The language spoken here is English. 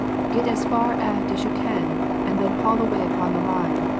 "Get as far aft as you can, and then haul away upon the line!"